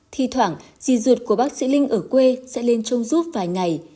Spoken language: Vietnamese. thì thoảng di ruột của bác sĩ linh ở quê sẽ lên trông rút vài ngày